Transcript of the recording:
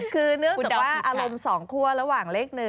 คือเนื่องจากว่าอารมณ์๒คั่วระหว่างเลข๑